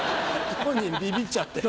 当人ビビっちゃってる。